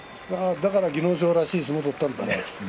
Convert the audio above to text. だから技能賞らしい相撲を取ったんだね。